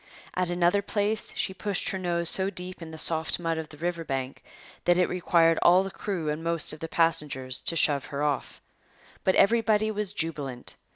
At another place she pushed her nose so deep in the soft mud of the riverbank that it required all the crew and most of the passengers to shove her off. But everybody was jubilant.